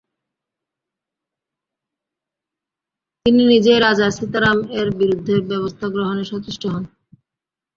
তিনি নিজেই রাজা সীতারাম এর বিরুদ্ধে ব্যবস্থা গ্রহণে সচেষ্ট হন।